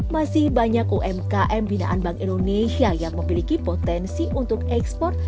masih banyak umkm binaan bank indonesia yang memiliki potensi untuk ekspor